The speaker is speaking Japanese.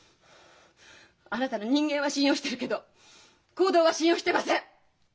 あなたの人間は信用してるけど行動は信用してません。